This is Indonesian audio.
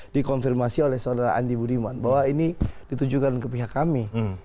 dikonfirmasi oleh saudara andi budiman bahwa ini ditujukan ke pihak kami